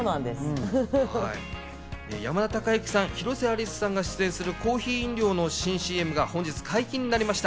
山田孝之さん、広瀬アリスさんが出演するコーヒー飲料の新ＣＭが本日解禁になりました。